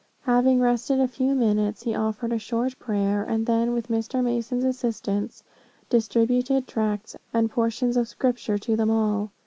Having rested a few minutes, he offered a short prayer, and then with Mr. Mason's assistance, distributed tracts and portions of Scripture to them all.